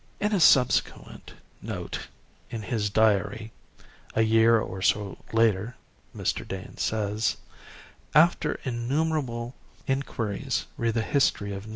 In a subsequent note in his diary a year or so later Mr. Dane says: "After innumerable enquiries re the history of No.